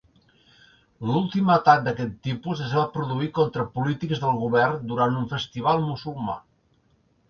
L'últim atac d'aquest tipus es va produir contra polítics del govern durant un festival musulmà.